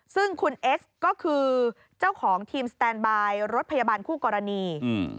ซึ่งคุณเอสก็คือเจ้าของทีมสแตนบายรถพยาบาลคู่กรณีอืม